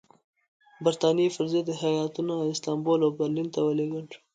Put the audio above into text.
برټانیې پر ضد هیاتونه استانبول او برلین ته ولېږل شول.